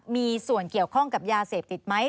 มีส่วนเกี่ยวข้องกับยาเสพติดไหม